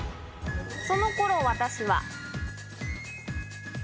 その頃、私は。